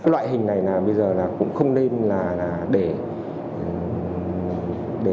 loại hình này bây giờ cũng không nên là để